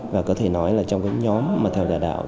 và có thể nói là trong cái nhóm mà theo giả đạo